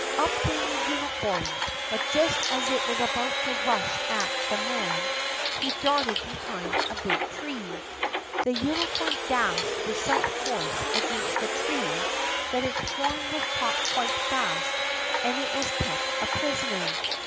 Up came the unicorn, but just as it was about to rush at the man he darted behind a big tree. The unicorn dashed with such force against the tree that its horn was caught quite fast and it was kept a prisoner.